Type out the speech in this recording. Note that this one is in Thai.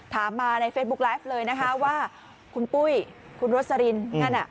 ถามมาในเฟซบุ๊คไลฟ์เลยนะคะว่าคุณปุ้ยคุณโรสลินนั่นน่ะ